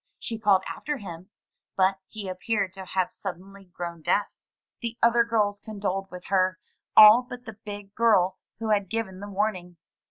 She called after him, but he appeared to have suddenly grown deaf. The other girls condoled with her, all but the big girl who had given the warning.